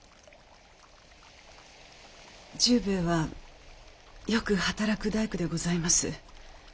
十兵衛はよく働く大工でございます。